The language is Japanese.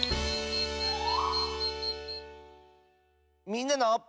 「みんなの」。